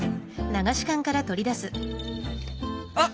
あっ！